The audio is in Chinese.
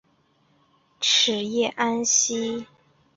齿叶安息香为安息香科安息香属下的一个种。